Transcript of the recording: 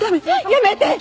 やめて！